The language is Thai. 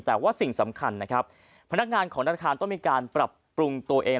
แต่ว่าสิ่งสำคัญนะครับพนักงานของธนาคารต้องมีการปรับปรุงตัวเอง